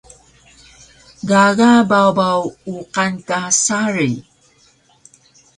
Gaga babaw uqan ka sari